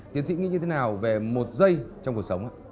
tiến sĩ nghĩ như thế nào về một dây trong cuộc sống